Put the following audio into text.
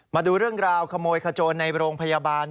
มาดูเรื่องราวขโมยขโจรในโรงพยาบาล